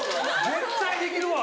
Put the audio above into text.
絶対できるわ。